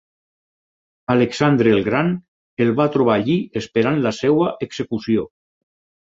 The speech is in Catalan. Alexandre el Gran el va trobar allí esperant la seva execució.